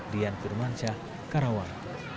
dian firmanca karawang